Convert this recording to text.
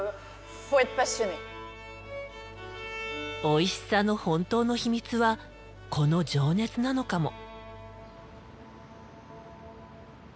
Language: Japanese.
おいしさの本当の秘密はこの情熱なのかも。